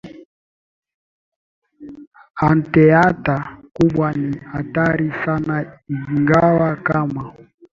anteater kubwa ni hatari sana ingawa kama